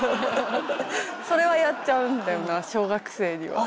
それはやっちゃうんだよな小学生には。